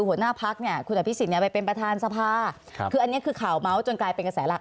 หัวหน้าพักเนี่ยคุณอภิษฎเนี่ยไปเป็นประธานสภาคืออันนี้คือข่าวเมาส์จนกลายเป็นกระแสหลัก